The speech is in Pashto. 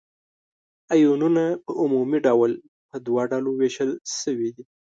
آیونونه په عمومي ډول په دوه ډلو ویشل شوي دي.